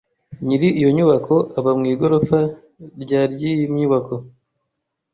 Nyiri iyo nyubako aba mu igorofa rya ryiyi nyubako.